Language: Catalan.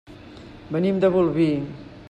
Venim de Bolvir.